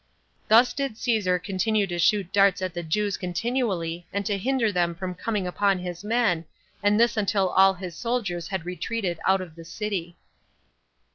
Thus did Caesar continue to shoot darts at the Jews continually, and to hinder them from coming upon his men, and this until all his soldiers had retreated out of the city.